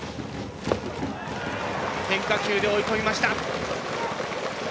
変化球で追い込みました。